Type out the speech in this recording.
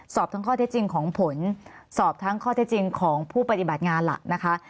สอบทั้งข้อเท็จจริงของผลสอบทั้งข้อเท็จจริงของผู้ปฏิบัติงานล่ะนะคะ